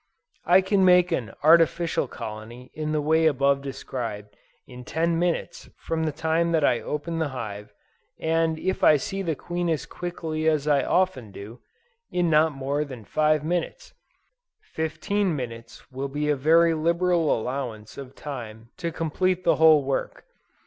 I can make an artificial colony in the way above described in ten minutes from the time that I open the hive, and if I see the queen as quickly as I often do, in not more than five minutes. Fifteen minutes will be a very liberal allowance of time to complete the whole work.